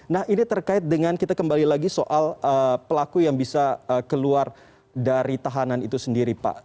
nah ini terkait dengan kita kembali lagi soal pelaku yang bisa keluar dari tahanan itu sendiri pak